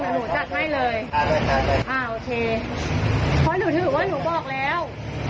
แต่หนูจัดให้เลยอ่าโอเคเพราะหนูถือว่าหนูบอกแล้ว